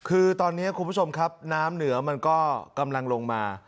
คือตอนนี้คุณผู้ชมครับน้ำเหนือมันก็กำลังลงมา